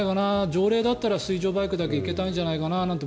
条例だったら水上バイクだけいけたんじゃないかなって